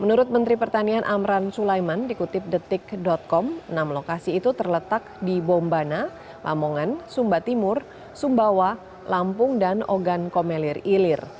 menurut menteri pertanian amran sulaiman dikutip detik com enam lokasi itu terletak di bombana lamongan sumba timur sumbawa lampung dan ogan komelir ilir